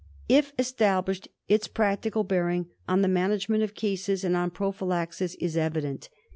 If established, its practical bearing on the management of cases and on prophylaxis is evident.